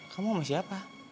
kau mau siapa